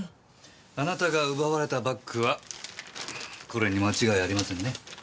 あなたが奪われたバッグはこれに間違いありませんね？